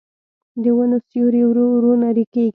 د ونو سیوري ورو ورو نری کېږي